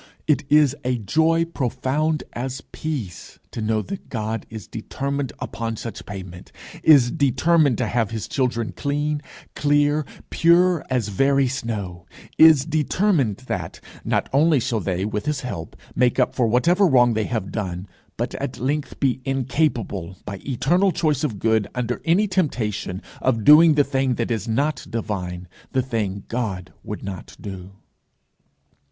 It is a joy profound as peace to know that God is determined upon such payment, is determined to have his children clean, clear, pure as very snow; is determined that not only shall they with his help make up for whatever wrong they have done, but at length be incapable, by eternal choice of good, under any temptation, of doing the thing that is not divine, the thing God would not do.